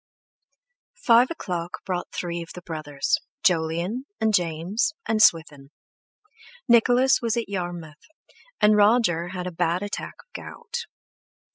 Five o'clock brought three of the brothers, Jolyon and James and Swithin; Nicholas was at Yarmouth, and Roger had a bad attack of gout.